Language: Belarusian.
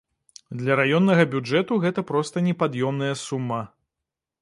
Для раённага бюджэту гэта проста непад'ёмная сума.